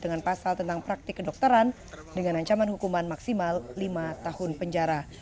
dengan pasal tentang praktik kedokteran dengan ancaman hukuman maksimal lima tahun penjara